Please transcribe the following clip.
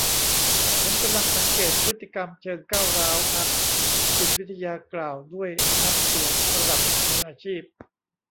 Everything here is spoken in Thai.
ฉันกำลังสังเกตพฤติกรรมเชิงก้าวร้าวนักจิตวิทยากล่าวด้วยน้ำเสียงระดับมืออาชีพ